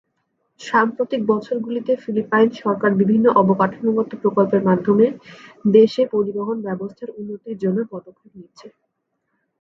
সাম্প্রতিক বছরগুলিতে, ফিলিপাইন সরকার বিভিন্ন অবকাঠামোগত প্রকল্পের মাধ্যমে দেশে পরিবহন ব্যবস্থার উন্নতির জন্য পদক্ষেপ নিচ্ছে।